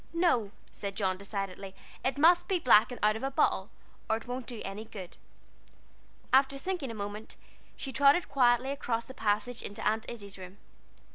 "No," said John, decidedly, "it must be black and out of a bottle, or it won't do any good." After thinking a moment, she trotted quietly across the passage into Aunt Izzie's room.